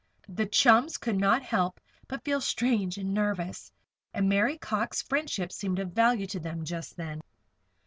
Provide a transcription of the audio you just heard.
The chums could not help but feel strange and nervous, and Mary Cox's friendship seemed of value to them just then.